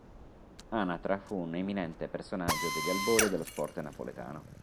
Anatra fu un eminente personaggio degli albori dello sport napoletano.